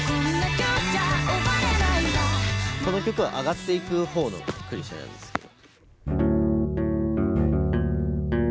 この曲は上がっていくほうのクリシェなんですけど。